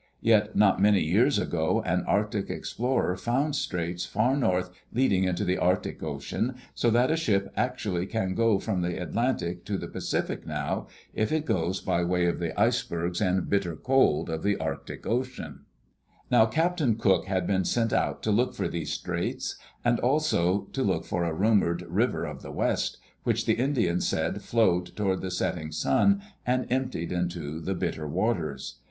Yet not many years ago an Arctic explorer found straits far north leading into the Arctic Ocean, so that a ship actually can go from the Atlantic to the Pacific now, if it goes by way of the icebergs and bitter cold of the Arctic Ocean. Digitized by CjOOQ IC CAPTAIN COOK'S ADVENTURES Now, Captain Cook had been sent out to look for these straits, and also to look for a rumored "River of the West" which the Indians said flowed toward the setting sun and emptied into the Bitter Waters.